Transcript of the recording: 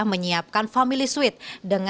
menyiapkan family suite